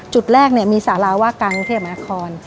จุดแรกมีสาราว่ากังเทพมหาคอน